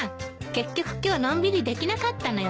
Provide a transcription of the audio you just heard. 結局今日のんびりできなかったのよね。